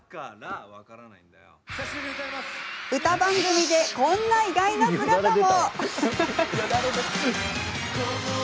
歌番組で、こんな意外な姿も。